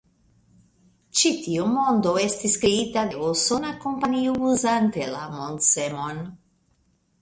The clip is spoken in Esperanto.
Ĉi tiu mondo estis kreita de usona kompanio uzante la Mondsemon.